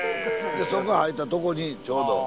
そこ入ったとこにちょうど。